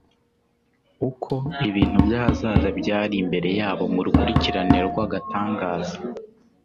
Uko ibintu by’ahazaza byari imbere yabo mu rukurikirane rw’agatangaza